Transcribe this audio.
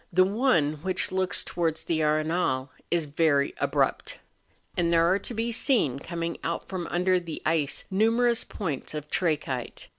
The one which looks towards the Arenal is very abrupt; and there are to be seen coming out from under the ice numerous points of trachyte.